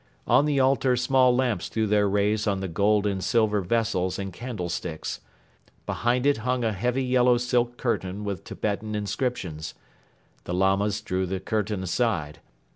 On the altar small lamps threw their rays on the gold and silver vessels and candlesticks. Behind it hung a heavy yellow silk curtain with Tibetan inscriptions. The Lamas drew the curtain aside.